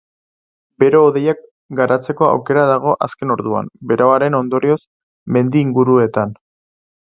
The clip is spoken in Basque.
Bero-hodeiak garatzeko aukera dago azken orduan, beroaren ondorioz, mendi inguruetan.